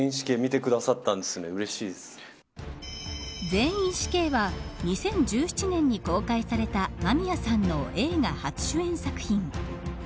全員死刑は２０１７年に公開された間宮さんの映画初主演作品。